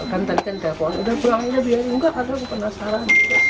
tadi kan telpon sudah pulang aja bilang enggak karena penasaran